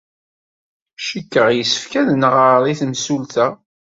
Cikkeɣ yessefk ad nɣer i temsulta.